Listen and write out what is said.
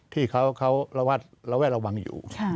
ที่เขาระวัดระวัยระวังอยู่